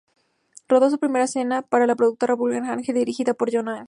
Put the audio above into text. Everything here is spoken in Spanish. Rodó su primera escena para la productora Burning Angel, dirigida por Joanna Angel.